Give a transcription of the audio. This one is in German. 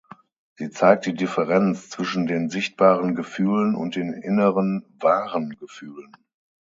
Sie zeigt die Differenz zwischen den sichtbaren Gefühlen und den inneren „wahren“ Gefühlen.